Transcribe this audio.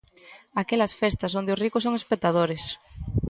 ¡Aquelas festas, onde os ricos son espectadores!